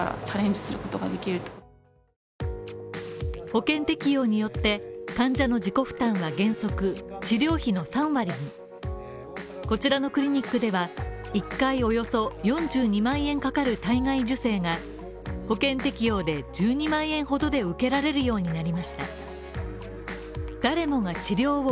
保険適用によって、患者の自己負担は原則、治療費の３割大阪のこちらのクリニックでは、１回およそ４２万円かかる体外受精が保険適用で１２万円ほどで受けられるようになりました。